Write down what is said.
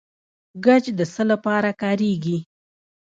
ګچ د څه لپاره کاریږي؟